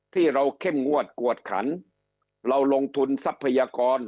เข้มงวดกวดขันเราลงทุนทรัพยากร